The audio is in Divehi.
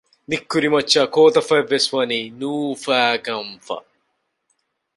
ނިތްކުރި މައްޗާއި ކޯތަފަތްވެސް ވަނީ ނޫފައިގަންފަ